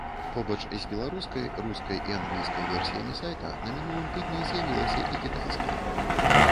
Побач з беларускай, рускай і англійскай версіямі сайта на мінулым тыдні з'явілася і кітайская.